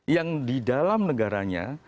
yang di dalam negaranya